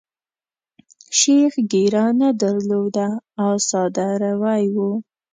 شیخ ږیره نه درلوده او ساده روی وو.